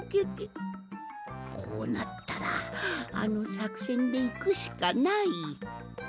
こうなったらあのさくせんでいくしかない！